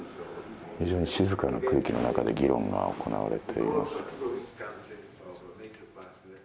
非常に静かな空気の中で議論が行われています。